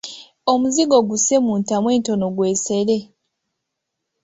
Omuzigo gusse mu ntamu entono gwesere.